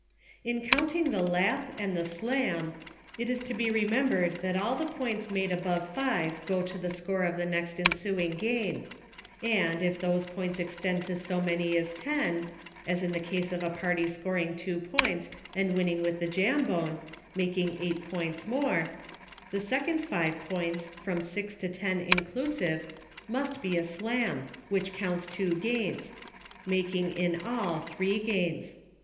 In counting the Lap, and the Slam, it is to be remembered that all the points made above five go to the score of the next ensuing game ; and, if those points extend to so many as ten — as in the case of a party scoring two points, and winning with the Jambone, making eight points more — the second five points, from six to ten inclusive, must be a Slam, which counts two games — making, in all, three games.